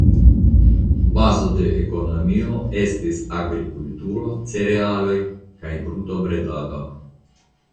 Bazo de ekonomio estis agrikulturo (cerealoj) kaj brutobredado.